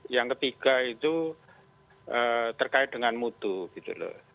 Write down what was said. yang ketiga itu terkait dengan mutu gitu loh